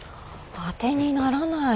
当てにならない。